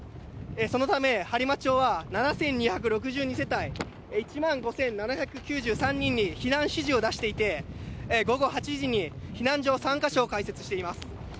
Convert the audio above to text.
そのため、播磨町は７２６２世帯１万５７９３人に避難指示を出していて、午後８時に避難所３か所を開設しています。